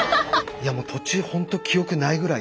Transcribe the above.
いやもう途中ほんと記憶ないぐらい。